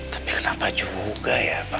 tapi kenapa juga ya pak